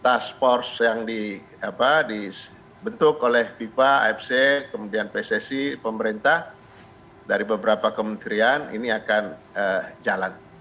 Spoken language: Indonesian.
task force yang dibentuk oleh fifa afc kemudian pssi pemerintah dari beberapa kementerian ini akan jalan